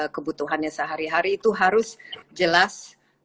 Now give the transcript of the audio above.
kebutuhannya sehari hari itu harus jelas